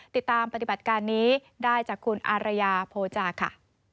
ติดตามปฏิบัติการณ์นี้ได้จากคุณอารยาโภจารย์ค่ะ